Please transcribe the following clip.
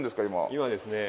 今ですね